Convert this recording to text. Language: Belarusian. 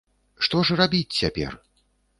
Што ж рабіць цяпер?